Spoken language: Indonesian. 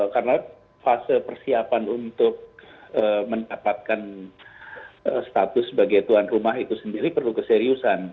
karena fase persiapan untuk mendapatkan status sebagai tuan rumah itu sendiri perlu keseriusan